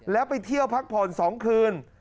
แล้วไปเที่ยวพักผ่อน๒คืน